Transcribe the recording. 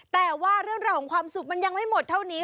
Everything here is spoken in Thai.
แต่ว่าเรื่องราวของความสุขมันยังไม่หมดเท่านี้